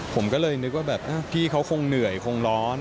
ผมก็เลยนึกว่าแบบพี่เขาคงเหนื่อยคงร้อน